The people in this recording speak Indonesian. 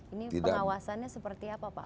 ini pengawasannya seperti apa pak